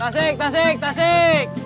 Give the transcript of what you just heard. tasik tasik tasik